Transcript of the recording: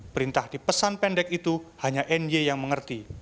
perintah di pesan pendek itu hanya ny yang mengerti